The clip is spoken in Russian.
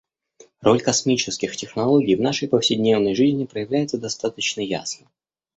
Роль космических технологий в нашей повседневной жизни проявляется достаточно ясно.